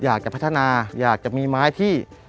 อยากจะพัฒนาอยากจะมีไม้ที่